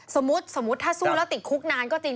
สมมุติถ้าสู้แล้วติดคุกนานก็จริง